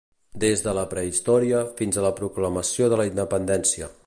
Des de la prehistòria fins a la proclamació de la independència.